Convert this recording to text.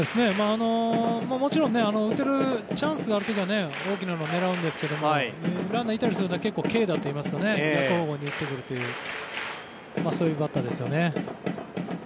もちろん打てるチャンスがある時は大きなのを狙うんですがランナーがいたりすると軽打といいますか逆方向に打ってくるというそういうバッターですね。